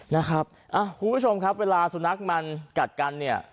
นะครับคุณผู้ชมครับเวลาสุนัขมันกัดกันเนี่ย